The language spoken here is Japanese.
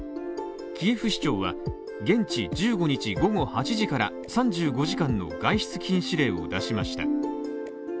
キエフ市長は現地１５日午後８時から３５時間の外出禁止令を出しました。